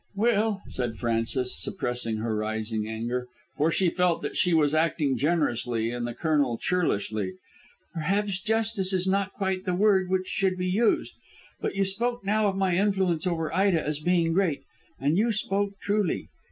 "Well," said Frances, suppressing her rising anger, for she felt that she was acting generously and the Colonel churlishly, "perhaps justice is not quite the word which should be used. But you spoke now of my influence over Ida as being great, and you spoke truly.